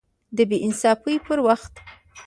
د بې انصافۍ پر وخت